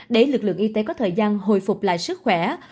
để lực lượng y tế có thời gian hồi phục lại sức khỏe